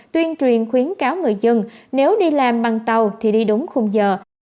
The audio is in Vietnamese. tuyên truyền khuyến cáo người dân nếu đi làm bằng tàu thì đi đúng khung giờ